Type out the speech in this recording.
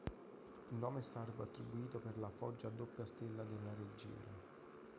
Il nome "Star" fu attribuito per la foggia a doppia stella del raggiera.